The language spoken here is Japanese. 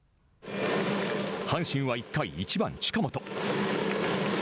阪神は１回、１番近本。